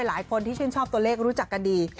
หลายคนที่ชื่นชอบตัวเลขรู้จักกันดี